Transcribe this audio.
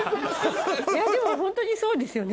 でもホントにそうですよね